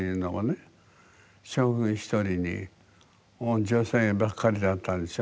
将軍１人に女性ばっかりだったでしょ